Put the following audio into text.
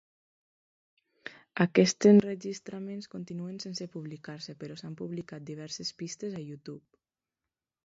Aquests enregistraments continuen sense publicar-se, però s'han publicat diverses pistes a YouTube.